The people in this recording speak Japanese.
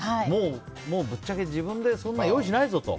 ぶっちゃけ自分でそんなの用意しないぞと